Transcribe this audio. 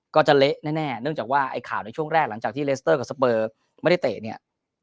เละแน่เนื่องจากว่าไอ้ข่าวในช่วงแรกหลังจากที่เลสเตอร์กับสเปอร์ไม่ได้เตะเนี่ย